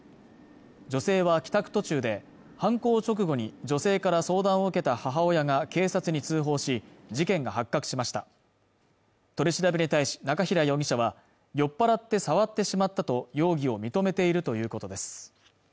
女性は帰宅途中で犯行直後に女性から相談を受けた母親が警察に通報し事件が発覚しました取り調べに対し中平容疑者は酔っぱらって触ってしまったと容疑を認めているということです